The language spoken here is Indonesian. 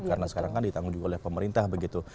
karena sekarang kan ditanggung juga oleh pemerintah begitu